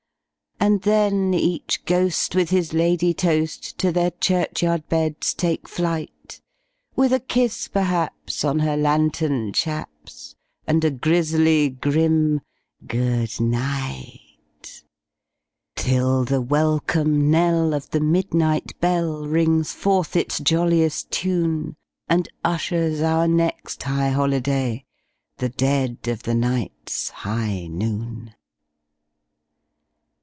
And then each ghost with his ladye toast to their churchyard beds take flight, With a kiss, perhaps, on her lantern chaps, and a grisly grim "good night"; Till the welcome knell of the midnight bell rings forth its jolliest tune, And ushers our next high holiday—the dead of the night's high noon!